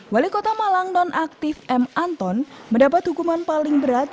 wali kota malang nonaktif m anton mendapat hukuman paling berat